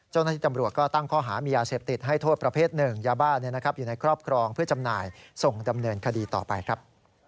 เจ้าหน้าที่ตำรวจก็ตั้งข้อหามียาเสพติดให้โทษประเภทหนึ่งยาบ้าอยู่ในครอบครองเพื่อจำหน่ายส่งดำเนินคดีต่อไปครับ